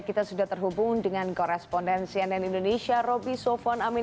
kita sudah terhubung dengan korespondensi nn indonesia roby sofwan amin